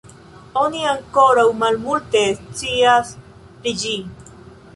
Oni ankoraŭ malmulte scias pri ĝi.